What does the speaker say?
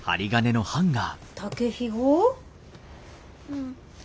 うん。